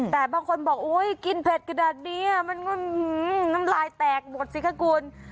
แต่บางคนบอกอุ้ยกินเผ็ดก็แบบนี้มันน้ำลายแตกหมดสิค่ะกูล